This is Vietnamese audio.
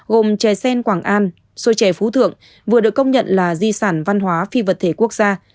gồm chè sen quảng an xôi trẻ phú thượng vừa được công nhận là di sản văn hóa phi vật thể quốc gia